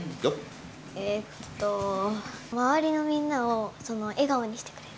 えっと、周りのみんなを笑顔にしてくれる。